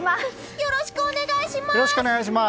よろしくお願いします！